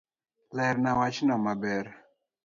Lerna wachno maber